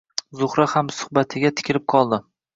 Zuhra hamsuhbatiga tikilib qoldi